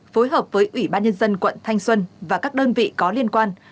phối hợp với ủy ban nhân dân quận thanh xuân và các đơn vị có liên quan